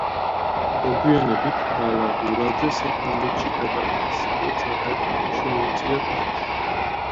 მოგვიანებით მალაღურაძე საფრანგეთში გადავიდა, სადაც არაერთ კლუბში მოუწია თამაში.